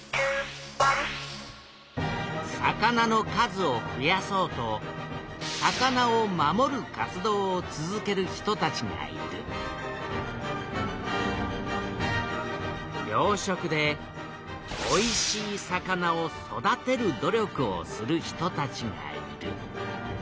魚の数をふやそうと魚を守る活動を続ける人たちがいる養殖でおいしい魚を育てる努力をする人たちがいる。